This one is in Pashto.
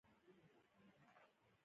ناڅاپه له څراغ څخه یو بل پیری راووت.